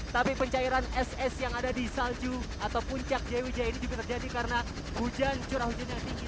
tapi pencairan es es yang ada di salju atau puncak jaya wijaya ini juga terjadi karena hujan curah hujan yang tinggi